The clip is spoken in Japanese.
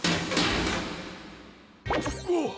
あっ！